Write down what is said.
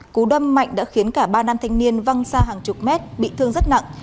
cú đâm mạnh đã khiến cả ba nam thanh niên văng xa hàng chục mét bị thương rất nặng